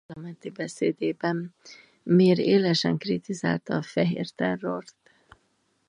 Első parlamenti beszédében mér élesen kritizálta a fehérterrort.